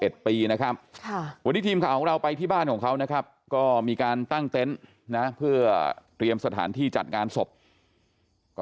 เถียงทีมของเราไปที่บ้านของเขาก็มีการตั้งเต้นเพื่อเตรียมสถานที่จัดการมีวัตถุ